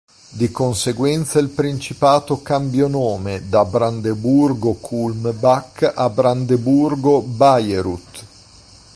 Di conseguenza il principato cambiò nome da Brandeburgo-Kulmbach a Brandeburgo-Bayreuth.